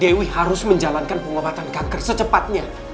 dewi harus menjalankan pengobatan kanker secepatnya